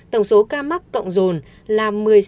tổng số ca dương tính sars cov hai mới